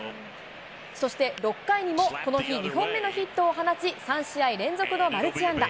そして６回にもこの日２本目のヒットを放ち、３試合連続のマルチ安打。